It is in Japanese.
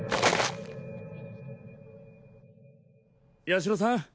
八尋さん